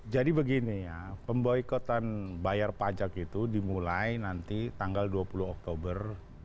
jadi begini ya pemboikotan bayar pajak itu dimulai nanti tanggal dua puluh oktober dua ribu sembilan belas